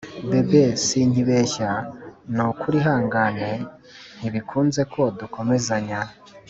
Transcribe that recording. Bebe sinyibeshya nukuri ihangane ntibikunze ko dukomezanya